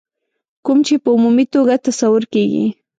کوم چې په عمومي توګه تصور کېږي.